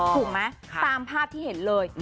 ถูกไหมตามภาพที่เห็นเลย